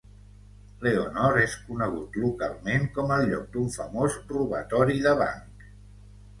Leonore és conegut localment com el lloc d'un famós robatori de banc.